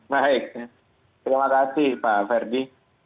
baik terima kasih pak ferdi